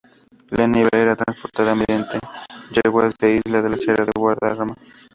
La nieve era transportada mediante yeguas desde la Sierra de Guadarrama.